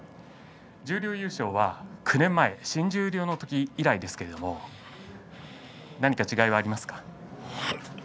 十両優勝は９年前新十両の時以来ですけれど何か違いはありますか。